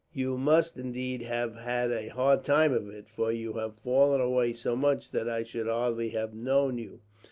You must indeed have had a hard time of it, for you have fallen away so much that I should hardly have known you."